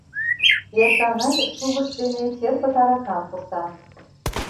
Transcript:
Эрканай шувыш дене черпыт аракам пурта.